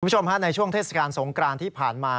คุณผู้ชมฮะในช่วงเทศกาลสงกรานที่ผ่านมา